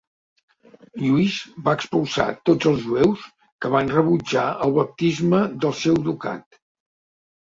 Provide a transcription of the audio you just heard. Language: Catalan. Lluís va expulsar tots els jueus que van rebutjar el baptisme del seu ducat.